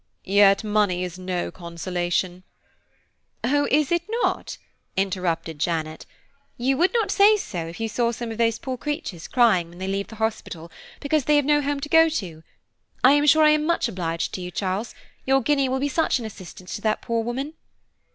"Yet money is no consolation." "Oh, is not it?" interrupted Janet; "you would not say so, if you saw some of those poor creatures crying when they leave the hospital because they have no home to go to. I am sure I am very much obliged to you, Charles, your guinea will be such an assistance to that poor woman.